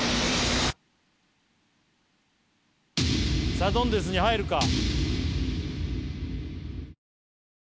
サドンデスに入るか。